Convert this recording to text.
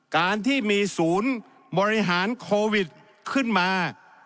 การที่มีศูนย์บริหารโควิดขึ้นมา